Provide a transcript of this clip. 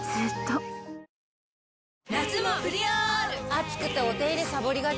暑くてお手入れさぼりがち。